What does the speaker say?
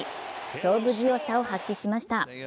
勝負強さを発揮しました。